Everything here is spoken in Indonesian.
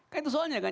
kan itu soalnya kan